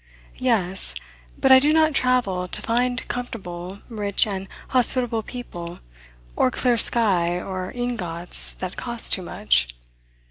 Yes, but I do not travel to find comfortable, rich, and hospitable people, or clear sky, or ingots that cost too much.